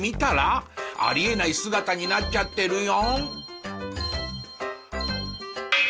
あり得ない姿になっちゃってるよ。